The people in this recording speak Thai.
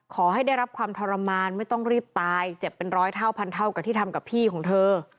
ขอให้ได้รับความทรมานไม่ต้องรีบตายเจ็บเป็นร้อยเท่าพันเท่ากับที่ทำกับพี่ของเธอ